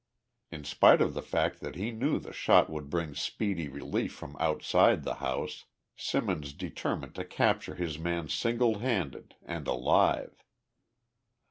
In spite of the fact that he knew the shot would bring speedy relief from outside the house, Simmons determined to capture his man single handed and alive.